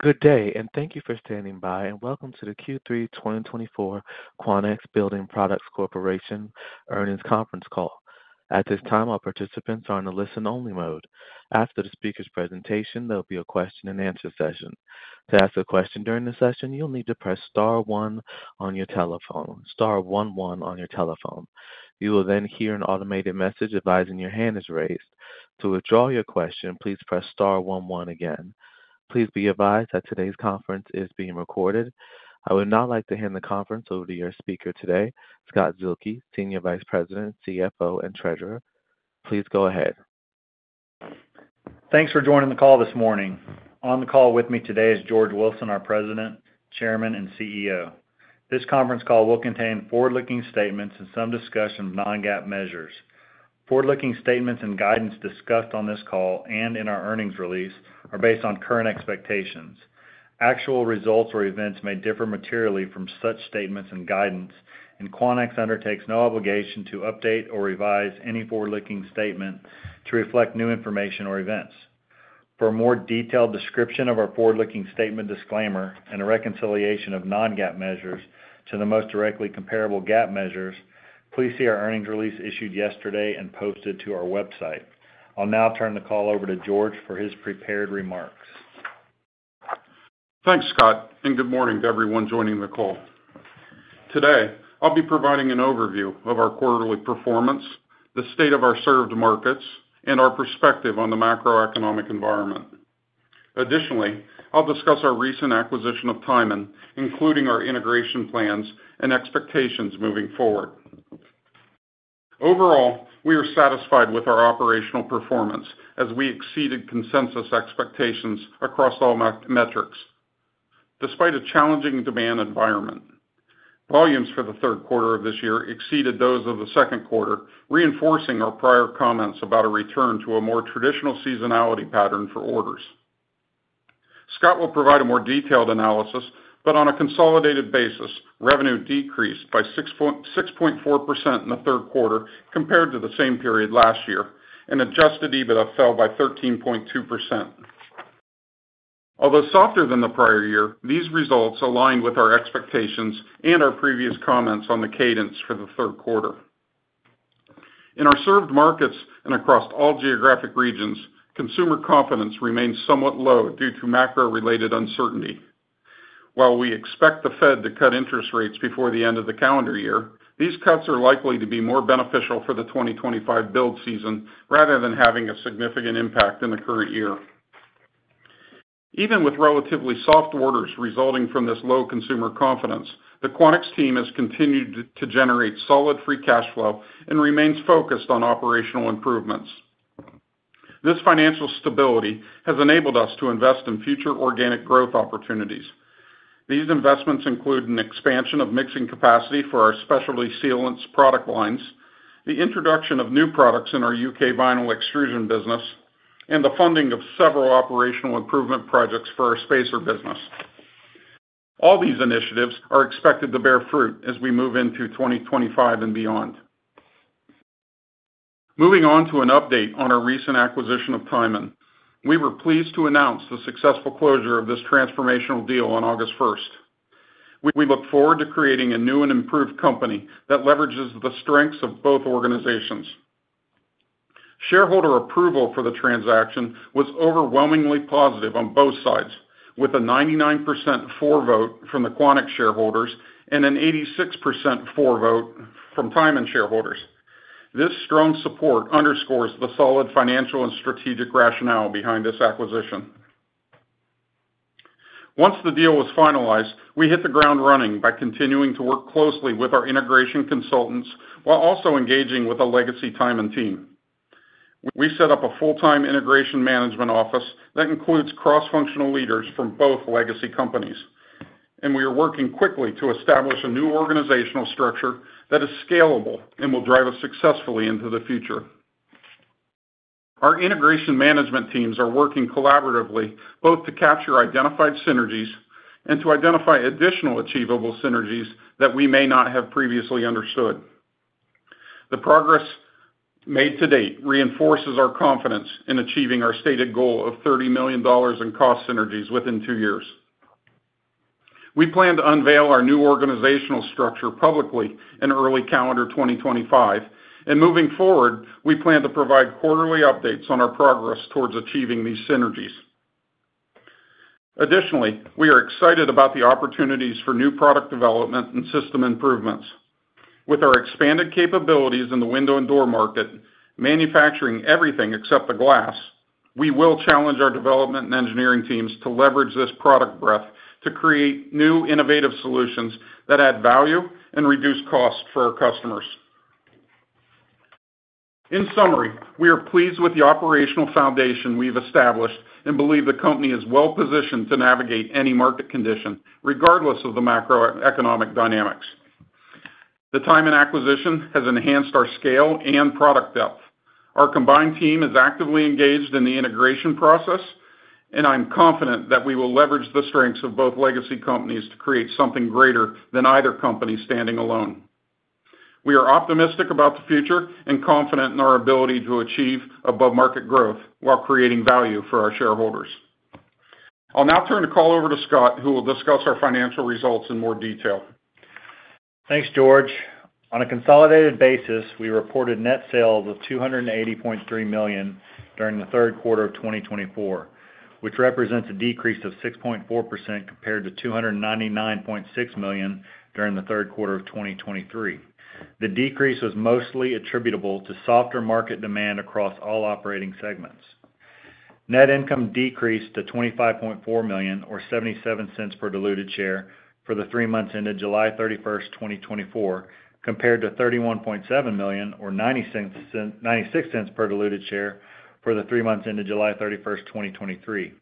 Good day, and thank you for standing by, and welcome to the Q3 2024 Quanex Building Products Corporation Earnings Conference Call. At this time, all participants are in a listen-only mode. After the speaker's presentation, there'll be a question and answer session. To ask a question during the session, you'll need to press star one on your telephone, star one one on your telephone. You will then hear an automated message advising your hand is raised. To withdraw your question, please press star one one again. Please be advised that today's conference is being recorded. I would now like to hand the conference over to your speaker today, Scott Zuehlke, Senior Vice President, CFO, and Treasurer. Please go ahead. Thanks for joining the call this morning. On the call with me today is George Wilson, our President, Chairman, and CEO. This conference call will contain forward-looking statements and some discussion of non-GAAP measures. Forward-looking statements and guidance discussed on this call and in our earnings release are based on current expectations. Actual results or events may differ materially from such statements and guidance, and Quanex undertakes no obligation to update or revise any forward-looking statement to reflect new information or events. For a more detailed description of our forward-looking statement disclaimer and a reconciliation of non-GAAP measures to the most directly comparable GAAP measures, please see our earnings release issued yesterday and posted to our website. I'll now turn the call over to George for his prepared remarks. Thanks, Scott, and good morning to everyone joining the call. Today, I'll be providing an overview of our quarterly performance, the state of our served markets, and our perspective on the macroeconomic environment. Additionally, I'll discuss our recent acquisition of Tyman, including our integration plans and expectations moving forward. Overall, we are satisfied with our operational performance as we exceeded consensus expectations across all metrics, despite a challenging demand environment. Volumes for the third quarter of this year exceeded those of the second quarter, reinforcing our prior comments about a return to a more traditional seasonality pattern for orders. Scott will provide a more detailed analysis, but on a consolidated basis, revenue decreased by 6.4% in the third quarter compared to the same period last year, and adjusted EBITDA fell by 13.2%. Although softer than the prior year, these results align with our expectations and our previous comments on the cadence for the third quarter. In our served markets and across all geographic regions, consumer confidence remains somewhat low due to macro-related uncertainty. While we expect the Fed to cut interest rates before the end of the calendar year, these cuts are likely to be more beneficial for the 2025 build season rather than having a significant impact in the current year. Even with relatively soft orders resulting from this low consumer confidence, the Quanex team has continued to generate solid free cash flow and remains focused on operational improvements. This financial stability has enabled us to invest in future organic growth opportunities. These investments include an expansion of mixing capacity for our specialty sealants product lines, the introduction of new products in our U.K. vinyl extrusion business, and the funding of several operational improvement projects for our spacer business. All these initiatives are expected to bear fruit as we move into 2025 and beyond. Moving on to an update on our recent acquisition of Tyman. We were pleased to announce the successful closure of this transformational deal on August 1st. We look forward to creating a new and improved company that leverages the strengths of both organizations. Shareholder approval for the transaction was overwhelmingly positive on both sides, with a 99% for vote from the Quanex shareholders and an 86% for vote from Tyman shareholders. This strong support underscores the solid financial and strategic rationale behind this acquisition. Once the deal was finalized, we hit the ground running by continuing to work closely with our integration consultants while also engaging with the legacy Tyman team. We set up a full-time integration management office that includes cross-functional leaders from both legacy companies, and we are working quickly to establish a new organizational structure that is scalable and will drive us successfully into the future. Our integration management teams are working collaboratively, both to capture identified synergies and to identify additional achievable synergies that we may not have previously understood. The progress made to date reinforces our confidence in achieving our stated goal of $30 million in cost synergies within two years. We plan to unveil our new organizational structure publicly in early calendar 2025, and moving forward, we plan to provide quarterly updates on our progress towards achieving these synergies. Additionally, we are excited about the opportunities for new product development and system improvements. With our expanded capabilities in the window and door market, manufacturing everything except the glass, we will challenge our development and engineering teams to leverage this product breadth to create new innovative solutions that add value and reduce costs for our customers. In summary, we are pleased with the operational foundation we've established and believe the company is well positioned to navigate any market condition, regardless of the macroeconomic dynamics. The Tyman acquisition has enhanced our scale and product depth. Our combined team is actively engaged in the integration process, and I'm confident that we will leverage the strengths of both legacy companies to create something greater than either company standing alone. We are optimistic about the future and confident in our ability to achieve above-market growth while creating value for our shareholders. I'll now turn the call over to Scott, who will discuss our financial results in more detail. Thanks, George. On a consolidated basis, we reported net sales of $280.3 million during the third quarter of 2024, which represents a decrease of 6.4% compared to $299.6 million during the third quarter of 2023. The decrease was mostly attributable to softer market demand across all operating segments. Net income decreased to $25.4 million, or $0.77 per diluted share, for the three months ended July 31st, 2024, compared to $31.7 million, or $0.96 per diluted share, for the three months ended July 31st, 2023.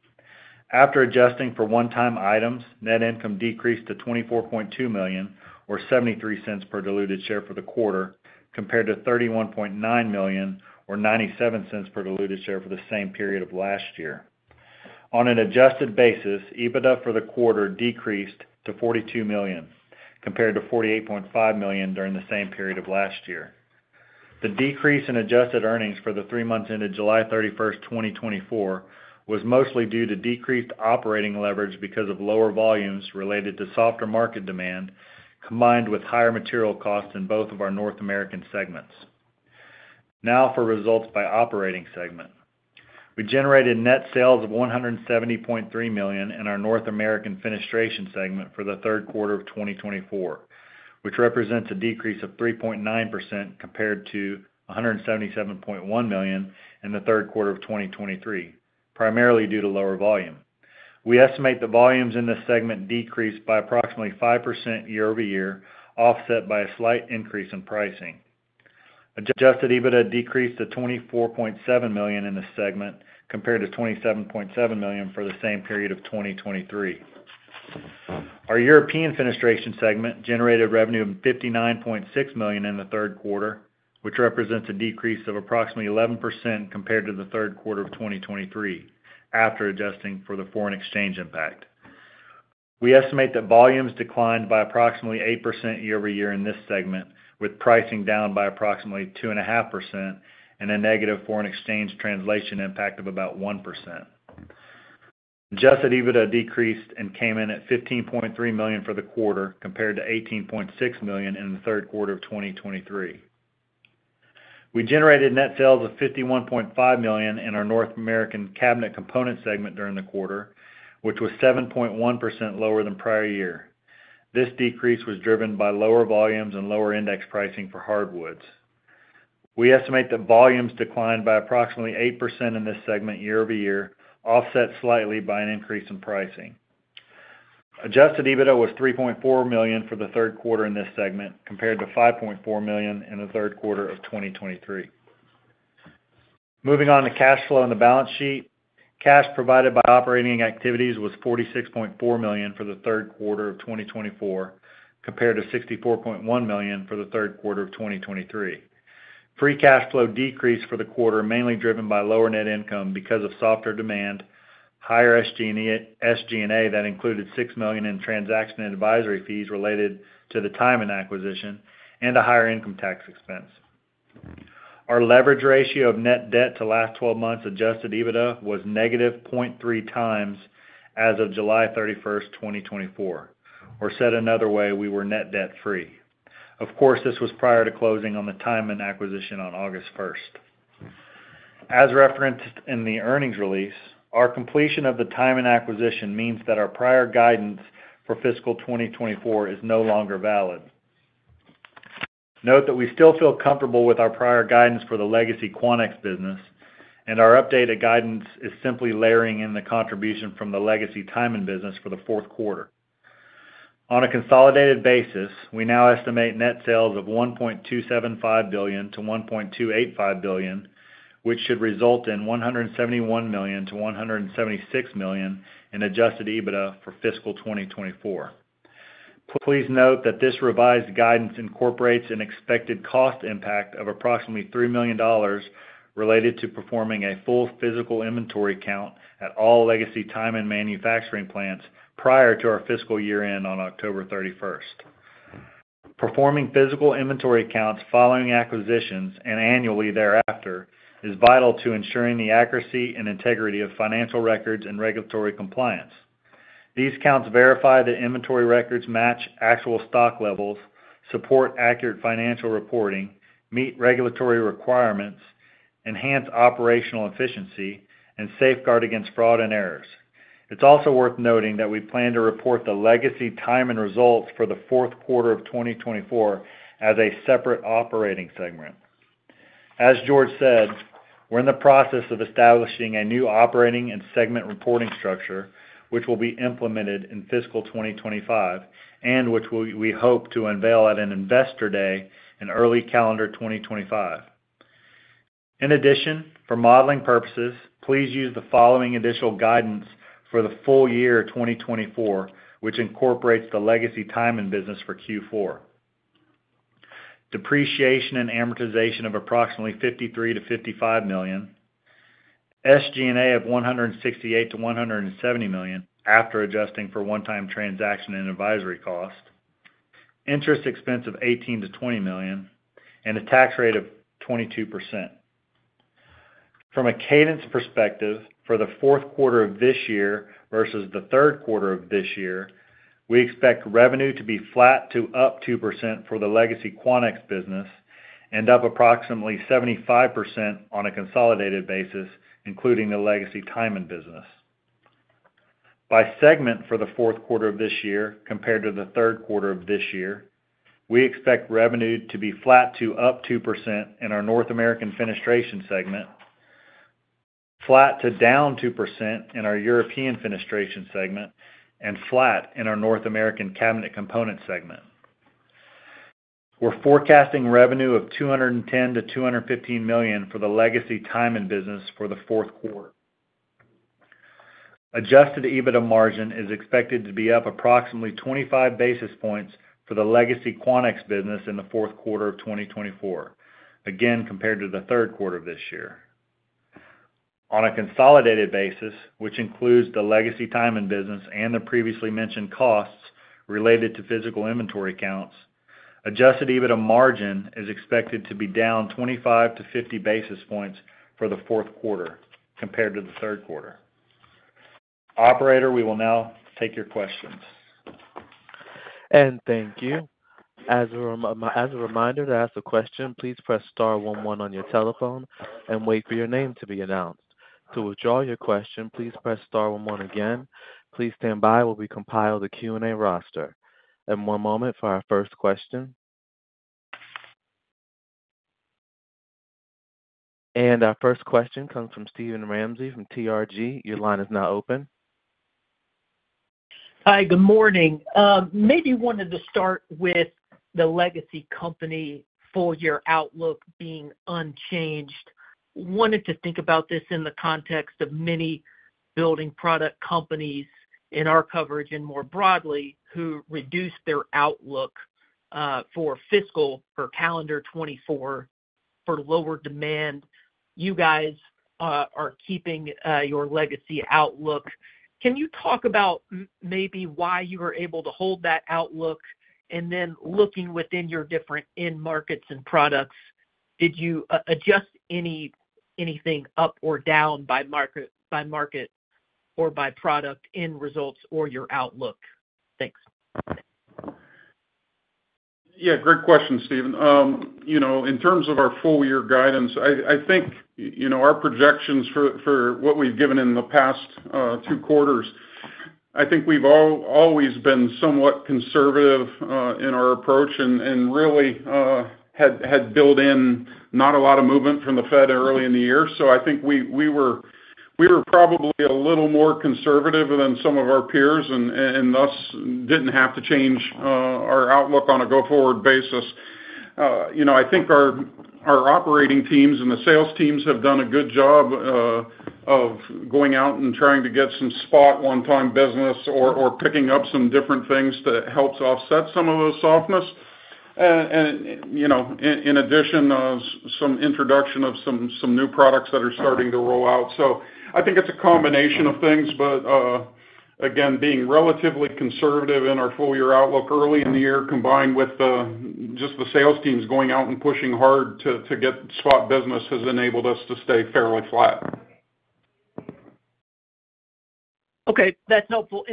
After adjusting for one-time items, net income decreased to $24.2 million, or $0.73 per diluted share for the quarter, compared to $31.9 million, or $0.97 per diluted share for the same period of last year. On an adjusted basis, EBITDA for the quarter decreased to $42 million, compared to $48.5 million during the same period of last year. The decrease in adjusted earnings for the three months ended July 31st, 2024, was mostly due to decreased operating leverage because of lower volumes related to softer market demand, combined with higher material costs in both of our North American segments. Now for results by operating segment. We generated net sales of $170.3 million in our North American Fenestration segment for the third quarter of 2024, which represents a decrease of 3.9% compared to $177.1 million in the third quarter of 2023, primarily due to lower volume. We estimate the volumes in this segment decreased by approximately 5% year-over-year, offset by a slight increase in pricing. Adjusted EBITDA decreased to $24.7 million in this segment, compared to $27.7 million for the same period of 2023. Our European Fenestration segment generated revenue of $59.6 million in the third quarter, which represents a decrease of approximately 11% compared to the third quarter of 2023, after adjusting for the foreign exchange impact. We estimate that volumes declined by approximately 8% year-over-year in this segment, with pricing down by approximately 2.5% and a negative foreign exchange translation impact of about 1%. Adjusted EBITDA decreased and came in at $15.3 million for the quarter, compared to $18.6 million in the third quarter of 2023. We generated net sales of $51.5 million in our North American Cabinet Components segment during the quarter, which was 7.1% lower than prior year. This decrease was driven by lower volumes and lower index pricing for hardwoods. We estimate that volumes declined by approximately 8% in this segment year-over-year, offset slightly by an increase in pricing. Adjusted EBITDA was $3.4 million for the third quarter in this segment, compared to $5.4 million in the third quarter of 2023. Moving on to cash flow and the balance sheet. Cash provided by operating activities was $46.4 million for the third quarter of 2024, compared to $64.1 million for the third quarter of 2023. Free cash flow decreased for the quarter, mainly driven by lower net income because of softer demand, higher SG&A, that included $6 million in transaction and advisory fees related to the Tyman acquisition, and a higher income tax expense. Our leverage ratio of net debt to last 12 months adjusted EBITDA was -0.3x as of July 31st, 2024, or said another way, we were net debt-free. Of course, this was prior to closing on the Tyman acquisition on August 1st. As referenced in the earnings release, our completion of the Tyman acquisition means that our prior guidance for fiscal 2024 is no longer valid. Note that we still feel comfortable with our prior guidance for the legacy Quanex business, and our updated guidance is simply layering in the contribution from the legacy Tyman business for the fourth quarter. On a consolidated basis, we now estimate net sales of $1.275 billion-$1.285 billion, which should result in $171 million-$176 million in adjusted EBITDA for fiscal 2024. Please note that this revised guidance incorporates an expected cost impact of approximately $3 million related to performing a full physical inventory count at all legacy Tyman manufacturing plants prior to our fiscal year-end on October 31st. Performing physical inventory counts following acquisitions and annually thereafter is vital to ensuring the accuracy and integrity of financial records and regulatory compliance. These counts verify that inventory records match actual stock levels, support accurate financial reporting, meet regulatory requirements, enhance operational efficiency, and safeguard against fraud and errors. It's also worth noting that we plan to report the legacy Tyman results for the fourth quarter of 2024 as a separate operating segment. As George said, we're in the process of establishing a new operating and segment reporting structure, which will be implemented in fiscal 2025, and which we hope to unveil at an Investor Day in early calendar 2025. In addition, for modeling purposes, please use the following initial guidance for the full year of 2024, which incorporates the legacy Tyman business for Q4. Depreciation and amortization of approximately $53 million-$55 million, SG&A of $168 million-$170 million, after adjusting for one-time transaction and advisory cost, interest expense of $18 million-$20 million, and a tax rate of 22%. From a cadence perspective, for the fourth quarter of this year versus the third quarter of this year, we expect revenue to be flat to up 2% for the legacy Quanex business and up approximately 75% on a consolidated basis, including the legacy Tyman business. By segment for the fourth quarter of this year compared to the third quarter of this year, we expect revenue to be flat to up 2% in our North American Fenestration segment, flat to down 2% in our European Fenestration segment, and flat in our North American Cabinet Components segment. We're forecasting revenue of $210 million-$215 million for the legacy Tyman business for the fourth quarter. Adjusted EBITDA margin is expected to be up approximately 25 basis points for the legacy Quanex business in the fourth quarter of 2024, again, compared to the third quarter of this year. On a consolidated basis, which includes the legacy Tyman business and the previously mentioned costs related to physical inventory counts, adjusted EBITDA margin is expected to be down 25-50 basis points for the fourth quarter compared to the third quarter. Operator, we will now take your questions. Thank you. As a reminder, to ask a question, please press star one one on your telephone and wait for your name to be announced. To withdraw your question, please press star one one again. Please stand by while we compile the Q&A roster. One moment for our first question. Our first question comes from Steven Ramsey from TRG. Your line is now open. Hi, good morning. Maybe wanted to start with the legacy company full year outlook being unchanged. Wanted to think about this in the context of many building product companies in our coverage and more broadly, who reduced their outlook for fiscal, for calendar 2024 for lower demand. You guys are keeping your legacy outlook. Can you talk about maybe why you were able to hold that outlook? And then looking within your different end markets and products, did you adjust anything up or down by market, by market or by product end results or your outlook? Thanks. Yeah, great question, Steven. You know, in terms of our full year guidance, I think, you know, our projections for what we've given in the past two quarters, I think we've always been somewhat conservative in our approach and really had built in not a lot of movement from the Fed early in the year. I think we were probably a little more conservative than some of our peers and thus, did not have to change our outlook on a go-forward basis. You know, I think our operating teams and the sales teams have done a good job of going out and trying to get some spot one-time business or picking up some different things that helps offset some of those softness. And, you know, in addition, some introduction of some new products that are starting to roll out. I think it is a combination of things, but again, being relatively conservative in our full year outlook early in the year, combined with just the sales teams going out and pushing hard to get spot business, has enabled us to stay fairly flat. Okay, that's helpful.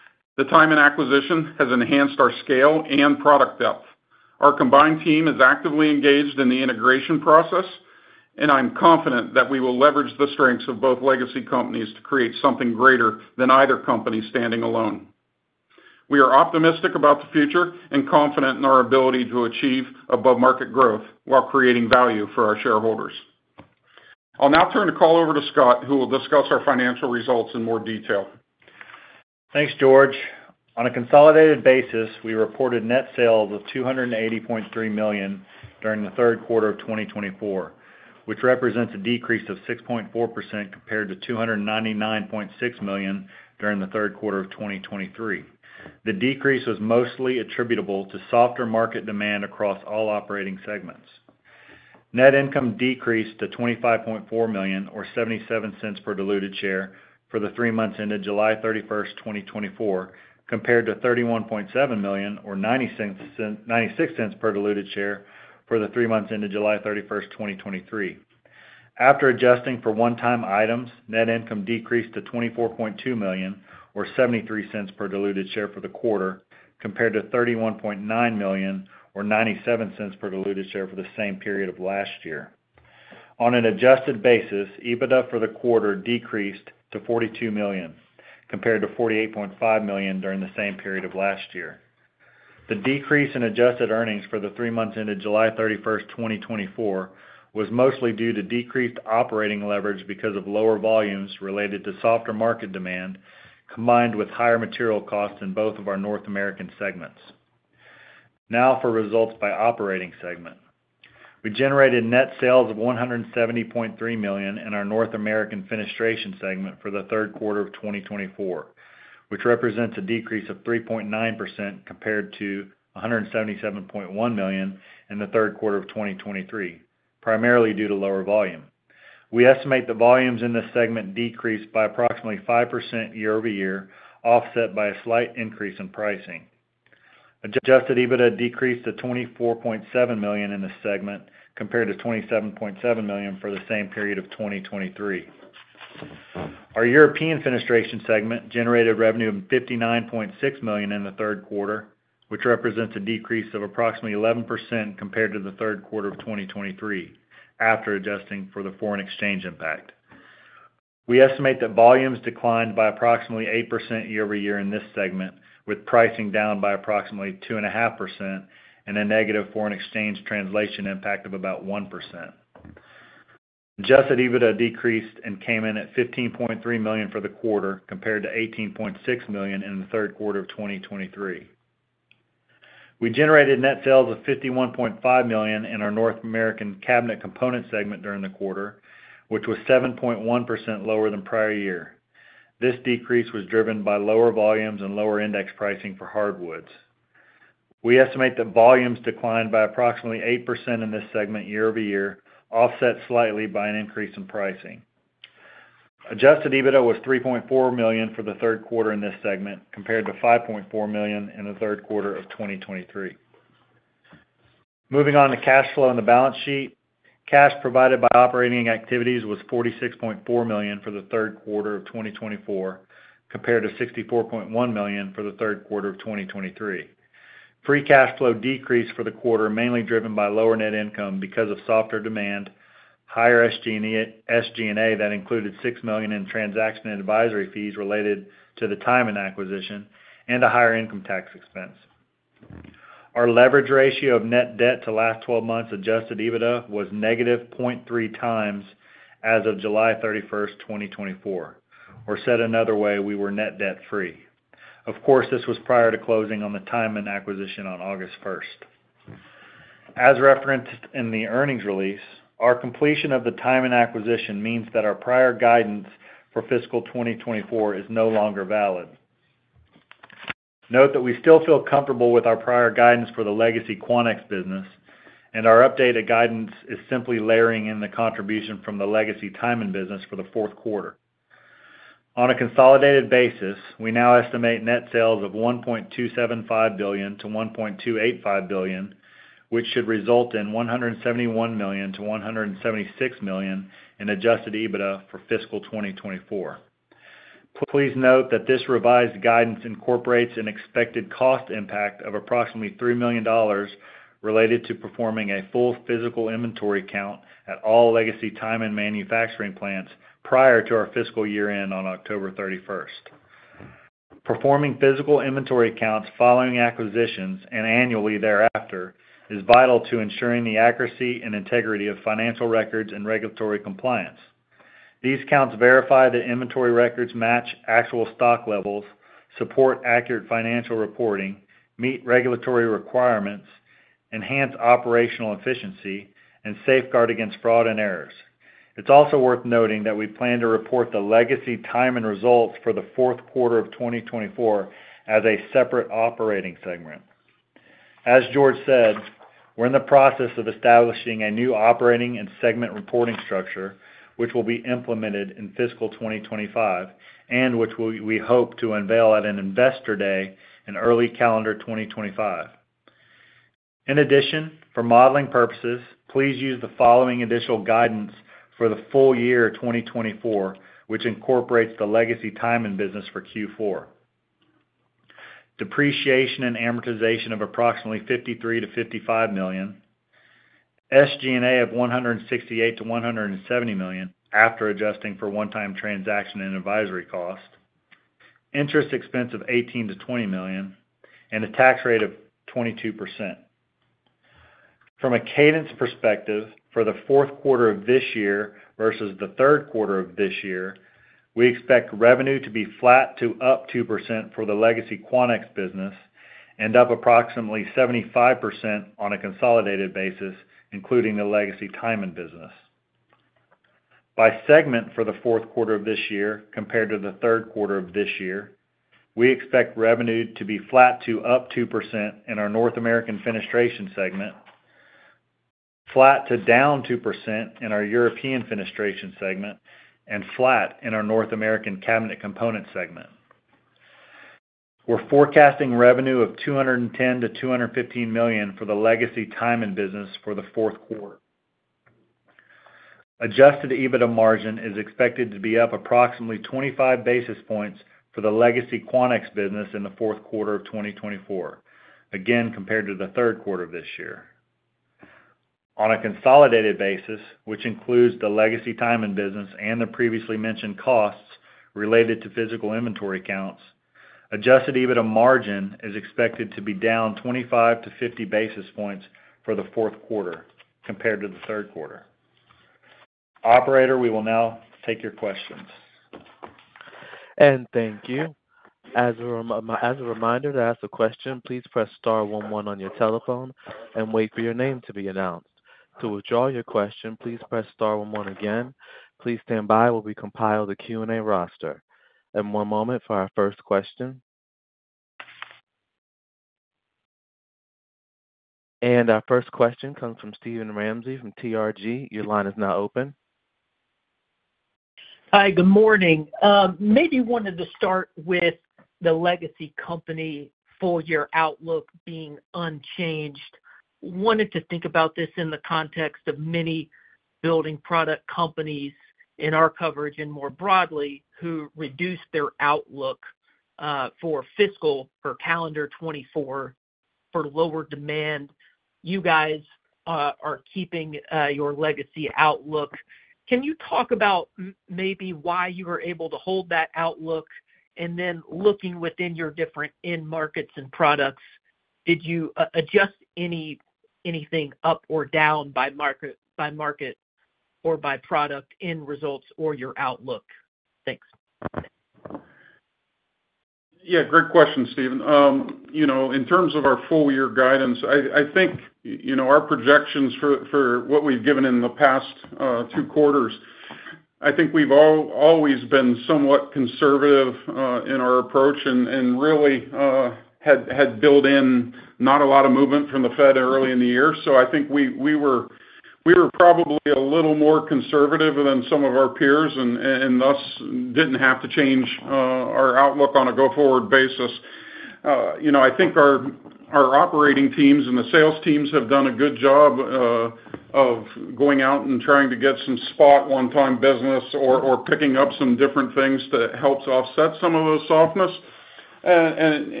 Maybe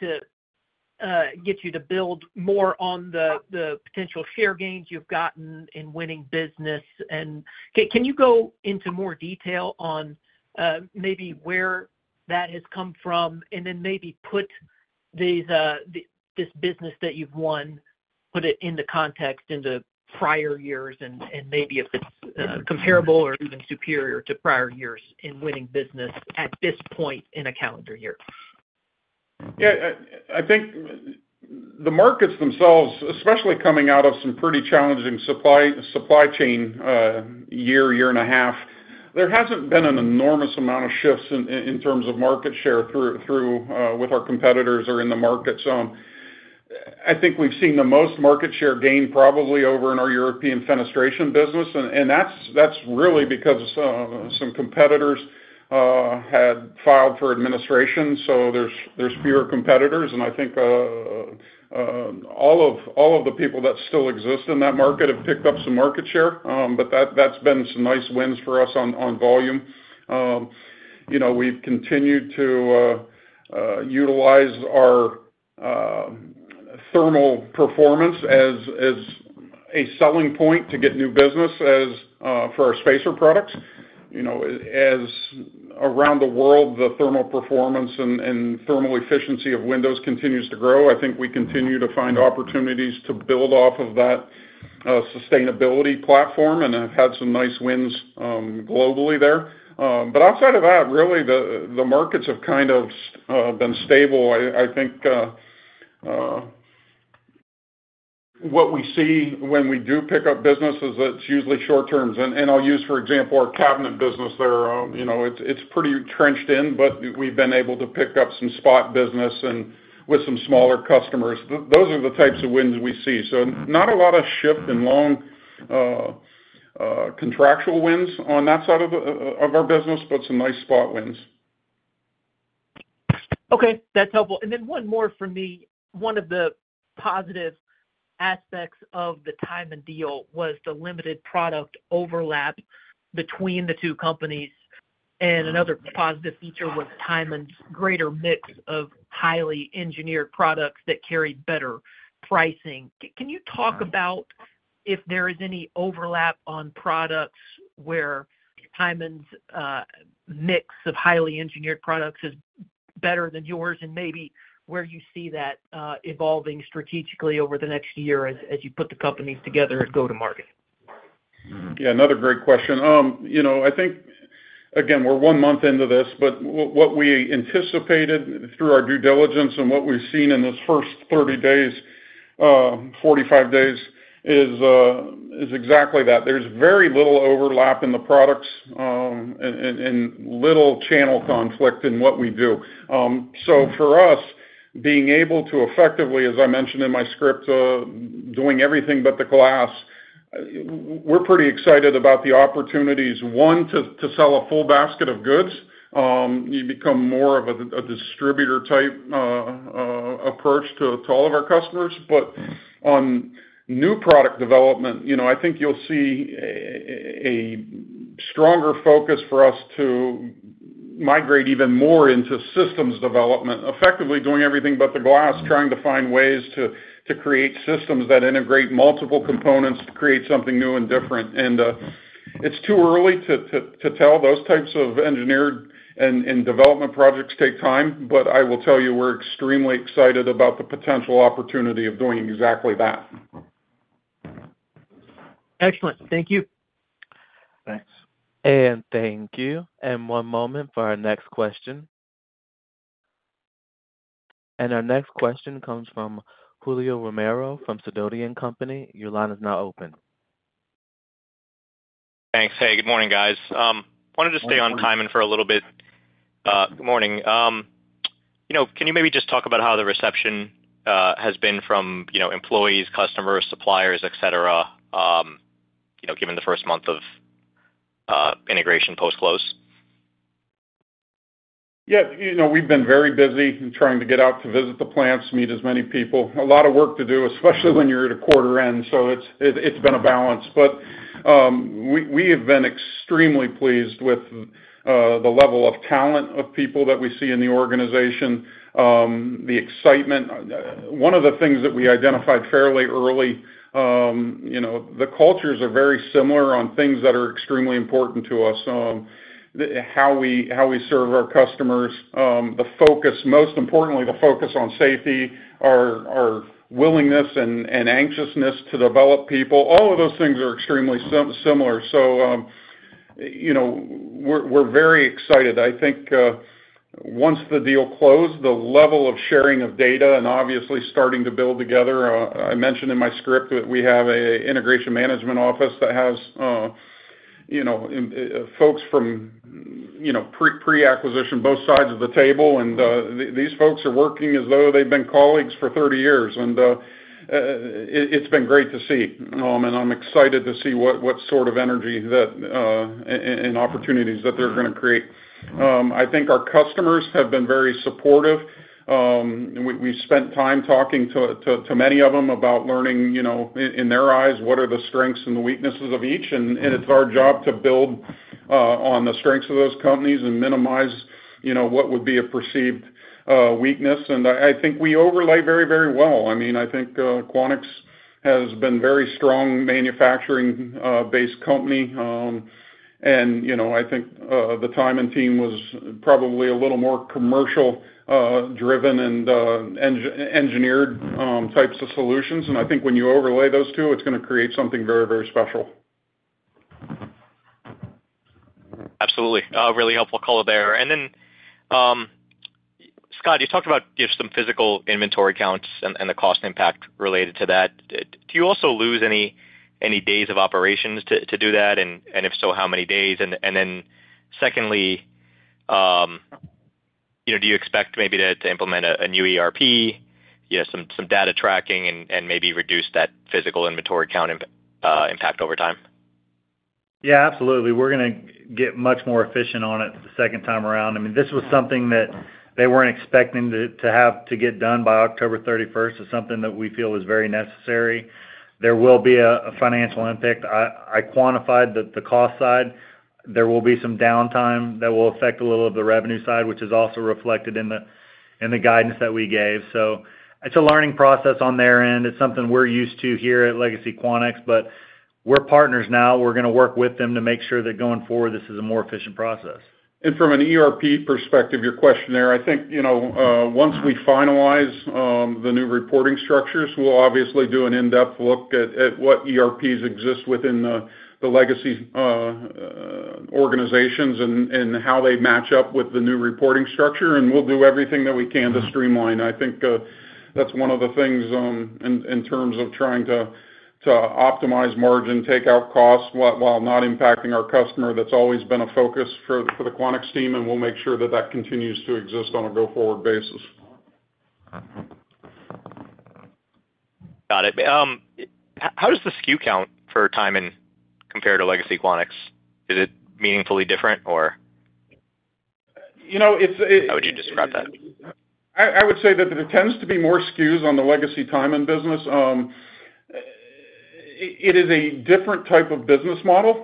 to get you to build more on the potential share gains you've gotten in winning business. Can you go into more detail on maybe where that has come from, and then maybe put this business that you've won, put it into context in the prior years and maybe if it's comparable or even superior to prior years in winning business at this point in a calendar year? Yeah, I think the markets themselves, especially coming out of some pretty challenging supply chain, year, year and a half, there hasn't been an enormous amount of shifts in terms of market share with our competitors or in the market. I think we've seen the most market share gain probably over in our European Fenestration business, and that's really because some competitors had filed for administration, so there's fewer competitors. I think all of the people that still exist in that market have picked up some market share. That's been some nice wins for us on volume. You know, we've continued to utilize our thermal performance as a selling point to get new business for our spacer products. You know, as around the world, the thermal performance and thermal efficiency of windows continues to grow, I think we continue to find opportunities to build off of that sustainability platform, and have had some nice wins globally there. Outside of that, really, the markets have kind of been stable. I think what we see when we do pick up business is that it's usually short term. For example, our cabinet business there, you know, it's pretty trenched in, but we've been able to pick up some spot business with some smaller customers. Those are the types of wins we see. Not a lot of shift in long-term contractual wins on that side of our business, but some nice spot wins. Okay, that's helpful. One more from me. One of the positive aspects of the Tyman deal was the limited product overlap between the two companies. Another positive feature was Tyman's greater mix of highly engineered products that carried better pricing. Can you talk about if there is any overlap on products where Tyman's mix of highly engineered products is better than yours, and maybe where you see that evolving strategically over the next year as you put the companies together and go to market? Yeah, another great question. You know, I think, again, we're one month into this, but what we anticipated through our due diligence and what we've seen in this first 30 days, 45 days, is exactly that. There's very little overlap in the products, and little channel conflict in what we do. For us, being able to effectively, as I mentioned in my script, doing everything but the glass, we're pretty excited about the opportunities, one, to sell a full basket of goods. You become more of a distributor type approach to all of our customers. On new product development, you know, I think you'll see a stronger focus for us to migrate even more into systems development, effectively doing everything but the glass, trying to find ways to create systems that integrate multiple components to create something new and different. It's too early to tell. Those types of engineered and development projects take time, but I will tell you, we're extremely excited about the potential opportunity of doing exactly that. Excellent. Thank you. Thanks. Thank you. One moment for our next question. Our next question comes from Julio Romero from Sidoti & Company. Your line is now open. Thanks. Hey, good morning, guys. Wanted to stay on Tyman for a little bit. Good morning. You know, can you maybe just talk about how the reception has been from, you know, employees, customers, suppliers, et cetera, you know, given the first month of integration post-close? Yeah, you know, we've been very busy trying to get out to visit the plants, meet as many people. A lot of work to do, especially when you're at a quarter end. It's been a balance. We have been extremely pleased with the level of talent of people that we see in the organization, the excitement. One of the things that we identified fairly early, you know, the cultures are very similar on things that are extremely important to us. How we serve our customers, the focus, most importantly, the focus on safety, our willingness and anxiousness to develop people, all of those things are extremely similar. You know, we're very excited. I think, once the deal closed, the level of sharing of data and obviously starting to build together, I mentioned in my script that we have an integration management office that has, you know, folks from pre-acquisition, both sides of the table, and these folks are working as though they've been colleagues for 30 years, and it's been great to see. I'm excited to see what sort of energy and opportunities that they're gonna create. I think our customers have been very supportive. We spent time talking to many of them about learning, you know, in their eyes, what are the strengths and the weaknesses of each, and it's our job to build on the strengths of those companies and minimize, you know, what would be a perceived weakness. I think we overlay very, very well. I mean, I think Quanex has been a very strong manufacturing-based company, and, you know, I think the Tyman team was probably a little more commercial-driven and engineered types of solutions. I think when you overlay those two, it's gonna create something very, very special. Absolutely. Really helpful color there. And then, Scott, you talked about give some physical inventory counts and the cost impact related to that. Do you also lose any days of operations to do that, and if so, how many days? And then secondly, you know, do you expect maybe to implement a new ERP, you know, some data tracking and maybe reduce that physical inventory count impact over time? Yeah, absolutely. We're gonna get much more efficient on it the second time around. I mean, this was something that they weren't expecting to have to get done by October 31st. It's something that we feel is very necessary. There will be a financial impact. I quantified the cost side. There will be some downtime that will affect a little of the revenue side, which is also reflected in the guidance that we gave. It's a learning process on their end. It's something we're used to here at legacy Quanex, but we're partners now. We're gonna work with them to make sure that going forward, this is a more efficient process. From an ERP perspective, your question there, I think, once we finalize the new reporting structures, we'll obviously do an in-depth look at what ERPs exist within the legacy organizations and how they match up with the new reporting structure, and we'll do everything that we can to streamline. I think that's one of the things, in terms of trying to optimize margin, take out costs, while not impacting our customer. That's always been a focus for the Quanex team, and we'll make sure that that continues to exist on a go-forward basis. Mm-hmm. Got it. How does the SKU count for Tyman compared to legacy Quanex? Is it meaningfully different or? You know, it's, it. How would you describe that? I would say that there tends to be more SKUs on the legacy Tyman business. It is a different type of business model.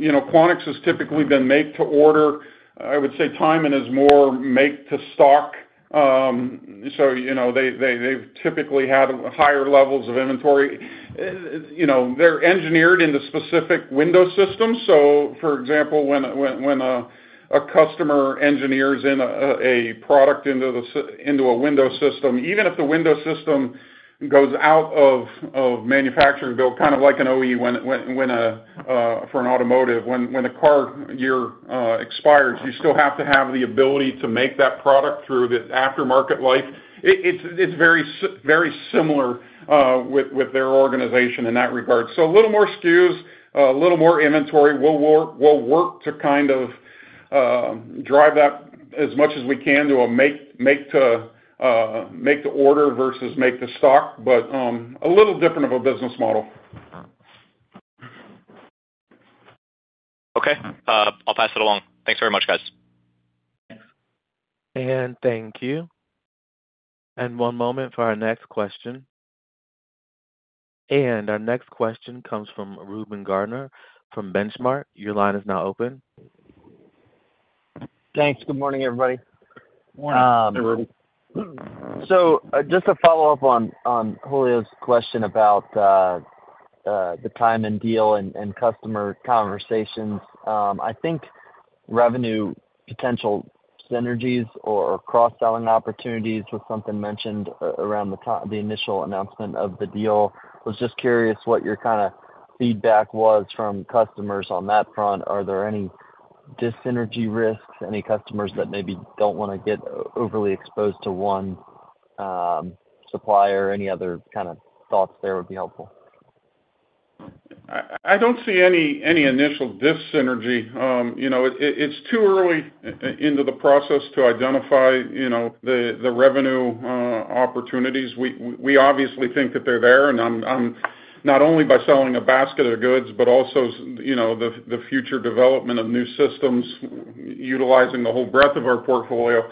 You know, Quanex has typically been make to order. I would say Tyman is more make to stock. You know, they've typically had higher levels of inventory. You know, they're engineered into specific window systems. For example, when a customer engineers in a product into a window system, even if the window system goes out of manufacturing build, kind of like an OE, when for an automotive, when a car year expires, you still have to have the ability to make that product through the aftermarket life. It, it's, it's very similar, with their organization in that regard. So a little more SKUs, a little more inventory. We'll work, we'll work to kind of drive that as much as we can to a make to order versus make to stock, but a little different of a business model. Okay. I'll pass it along. Thanks very much, guys. Thank you. One moment for our next question. Our next question comes from Reuben Garner from Benchmark. Your line is now open. Thanks. Good morning, everybody. Morning, Reuben. Just to follow up on Julio's question about the Tyman deal and customer conversations. I think revenue potential synergies or cross-selling opportunities was something mentioned around the time of the initial announcement of the deal. Was just curious what your kind of feedback was from customers on that front. Are there any dissynergy risks, any customers that maybe don't want to get overly exposed to one supplier? Any other kind of thoughts there would be helpful. I don't see any initial dissynergy. You know, it's too early into the process to identify, you know, the revenue opportunities. We obviously think that they're there, and I'm not only by selling a basket of goods, but also, you know, the future development of new systems utilizing the whole breadth of our portfolio.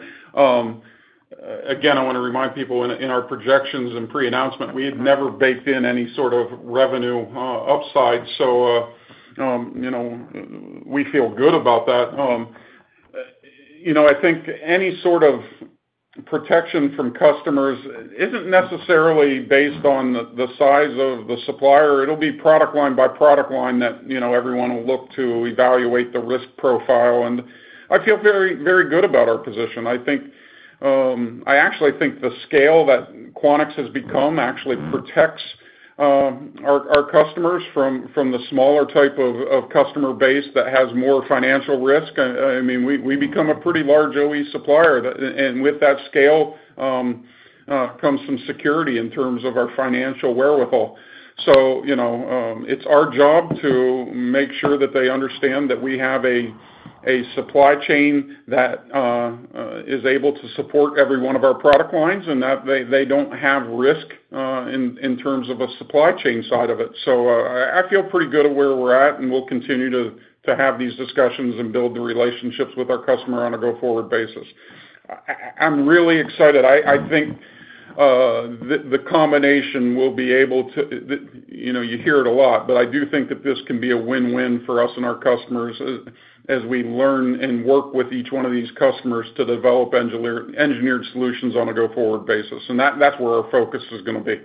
Again, I want to remind people, in our projections and pre-announcement, we had never baked in any sort of revenue upside. You know, we feel good about that. You know, I think any sort of protection from customers isn't necessarily based on the size of the supplier. It'll be product line by product line that, you know, everyone will look to evaluate the risk profile, and I feel very, very good about our position. I think I actually think the scale that Quanex has become actually protects our customers from the smaller type of customer base that has more financial risk. I mean, we've become a pretty large OE supplier, and with that scale comes some security in terms of our financial wherewithal. You know, it's our job to make sure that they understand that we have a supply chain that is able to support every one of our product lines, and that they don't have risk in terms of a supply chain side of it. I feel pretty good at where we're at, and we'll continue to have these discussions and build the relationships with our customer on a go-forward basis. I'm really excited. I think the combination will be able to, you know, you hear it a lot, but I do think that this can be a win-win for us and our customers as we learn and work with each one of these customers to develop engineered solutions on a go-forward basis, and that's where our focus is gonna be.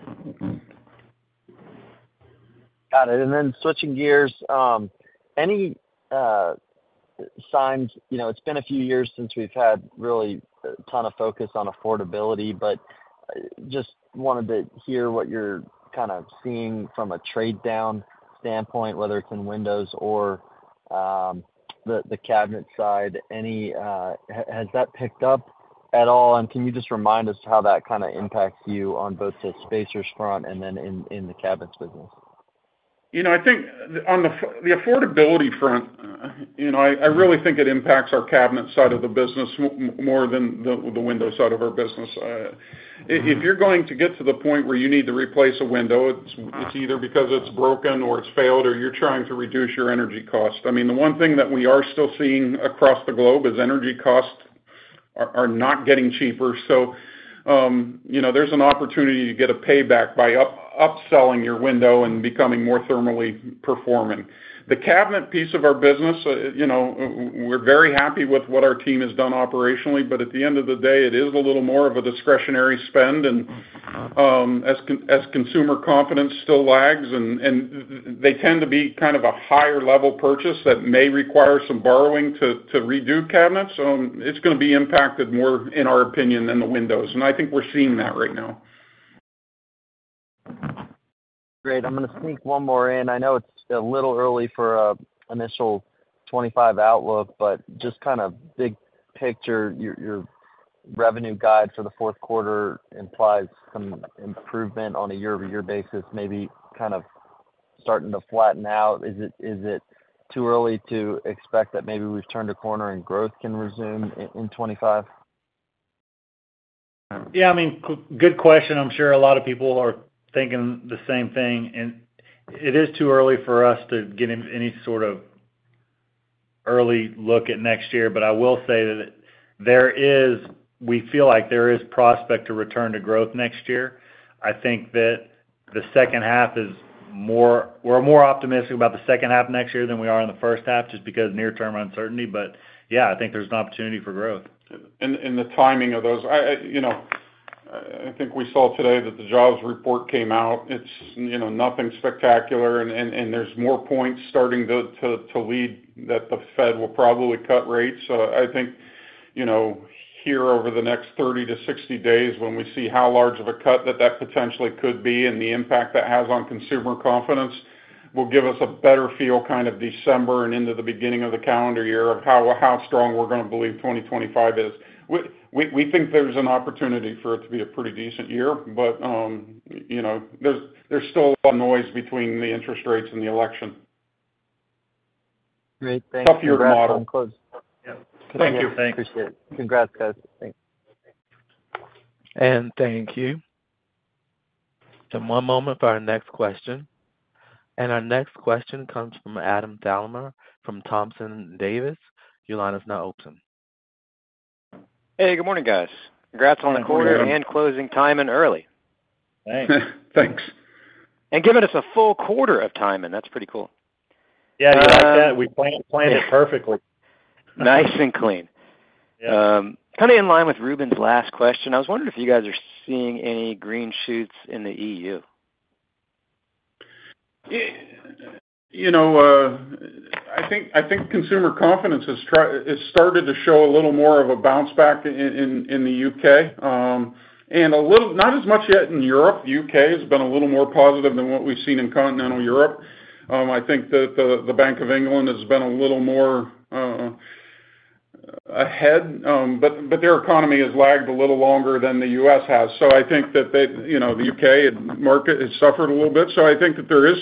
Got it, and then switching gears, any signs, you know, it's been a few years since we've had really a ton of focus on affordability, but just wanted to hear what you're kind of seeing from a trade down standpoint, whether it's in windows or the cabinet side. Any, has that picked up at all, and can you just remind us how that kind of impacts you on both the spacers front and then in the cabinets business? You know, I think on the affordability front, you know, I really think it impacts our cabinet side of the business more than the window side of our business. I, if you're going to get to the point where you need to replace a window, it's either because it's broken or it's failed, or you're trying to reduce your energy cost. I mean, the one thing that we are still seeing across the globe is energy costs are not getting cheaper. You know, there's an opportunity to get a payback by upselling your window and becoming more thermally performing. The cabinet piece of our business, you know, we're very happy with what our team has done operationally, but at the end of the day, it is a little more of a discretionary spend. As consumer confidence still lags and they tend to be kind of a higher level purchase that may require some borrowing to redo cabinets, it's going to be impacted more, in our opinion, than the windows, and I think we're seeing that right now. Great. I'm gonna sneak one more in. I know it's a little early for an initial 2025 outlook, but just kind of big picture, your revenue guide for the fourth quarter implies some improvement on a year-over-year basis, maybe kind of starting to flatten out? Is it too early to expect that maybe we've turned a corner and growth can resume in 2025? Yeah, I mean, good question. I'm sure a lot of people are thinking the same thing, and it is too early for us to get in any sort of early look at next year. I will say that we feel like there is prospect to return to growth next year. I think that the second half is more, we're more optimistic about the second half of next year than we are in the first half, just because near-term uncertainty. Yeah, I think there's an opportunity for growth. The timing of those, I think we saw today that the jobs report came out. It's nothing spectacular, and there's more points starting to lead that the Fed will probably cut rates. I think here, over the next 30-60 days, when we see how large of a cut that potentially could be and the impact that has on consumer confidence, it will give us a better feel, kind of December and into the beginning of the calendar year, of how strong we're gonna believe 2025 is. We think there's an opportunity for it to be a pretty decent year, but, you know, there's still a lot of noise between the interest rates and the election. Great, thanks. Tougher model. I'll close. Yeah. Thank you. Thanks. Appreciate it. Congrats, guys. Thanks. Thank you. One moment for our next question. Our next question comes from Adam Thalhimer from Thompson Davis. Your line is now open. Hey, good morning, guys. Congrats on the quarter. Good morning. And closing Tyman in early. Thanks. Thanks. Giving us a full quarter of Tyman. That's pretty cool. Yeah, you like that? We planned, planned it perfectly. Nice and clean. Yeah. Kind of in line with Reuben's last question, I was wondering if you guys are seeing any green shoots in the EU? You know, I think, I think consumer confidence has started to show a little more of a bounce back in the U.K., and a little, not as much yet in Europe. U.K. has been a little more positive than what we've seen in continental Europe. I think that the Bank of England has been a little more ahead, but their economy has lagged a little longer than the U.S. has. I think that the U.K. market has suffered a little bit. I think that there is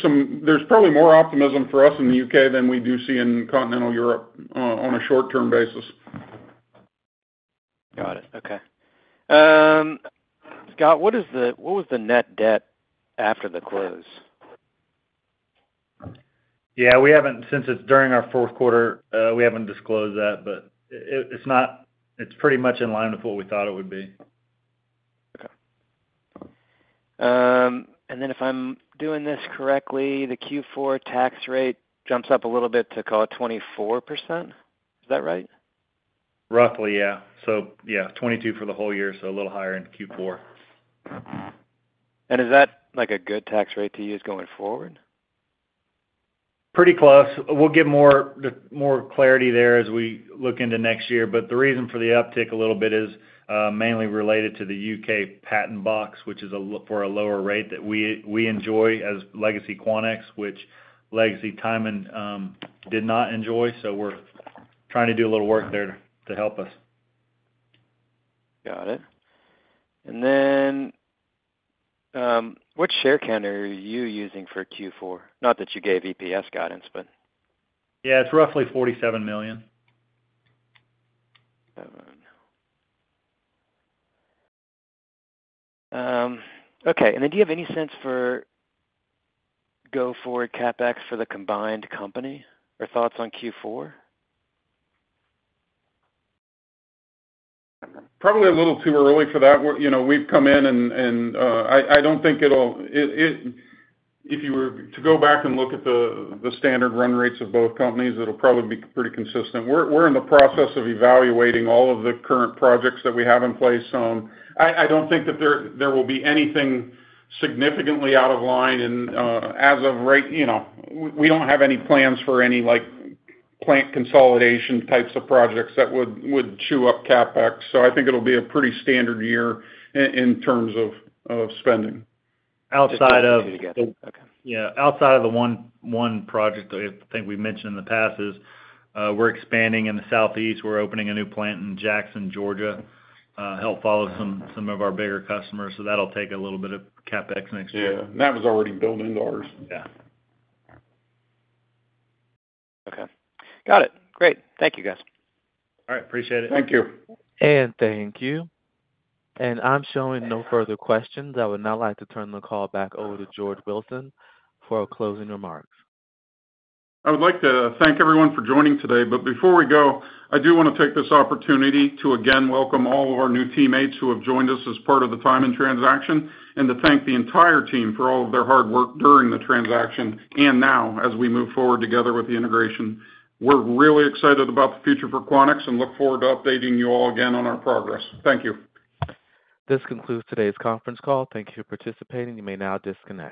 probably more optimism for us in the U.K. than we do see in continental Europe, on a short-term basis. Got it. Okay. Scott, what is the, what was the net debt after the close? Yeah, we haven't—since it's during our fourth quarter, we haven't disclosed that, but it's not, it's pretty much in line with what we thought it would be. Okay. And then if I'm doing this correctly, the Q4 tax rate jumps up a little bit to, call it, 24%. Is that right? Roughly, yeah. Yeah, 22% for the whole year, so a little higher in Q4. Is that, like, a good tax rate to use going forward? Pretty close. We'll get more clarity there as we look into next year, but the reason for the uptick a little bit is mainly related to the U.K. Patent Box, which is for a lower rate that we enjoy as legacy Quanex, which legacy Tyman did not enjoy. We're trying to do a little work there to help us. Got it. And then, what share count are you using for Q4? Not that you gave EPS guidance, but? Yeah, it's roughly $47 million. Okay. And then do you have any sense for go-forward CapEx for the combined company, or thoughts on Q4? Probably a little too early for that. You know, we've come in and, and, I, I don't think it'll, if you were to go back and look at the standard run rates of both companies, it'll probably be pretty consistent. We're in the process of evaluating all of the current projects that we have in place. I don't think that there will be anything significantly out of line and, as of right now, you know, we don't have any plans for any, like, plant consolidation types of projects that would chew up CapEx, so I think it'll be a pretty standard year in terms of spending. Outside of. Okay. Yeah. Outside of the one project I think we've mentioned in the past, we're expanding in the Southeast. We're opening a new plant in Jackson, Georgia, to help follow some of our bigger customers, so that'll take a little bit of CapEx next year. Yeah, that was already built into ours. Yeah. Okay. Got it. Great. Thank you, guys. All right. Appreciate it. Thank you. Thank you. I'm showing no further questions. I would now like to turn the call back over to George Wilson for our closing remarks. I would like to thank everyone for joining today. Before we go, I do want to take this opportunity to again welcome all of our new teammates who have joined us as part of the Tyman transaction, and to thank the entire team for all of their hard work during the transaction, and now, as we move forward together with the integration. We're really excited about the future for Quanex and look forward to updating you all again on our progress. Thank you. This concludes today's conference call. Thank you for participating. You may now disconnect.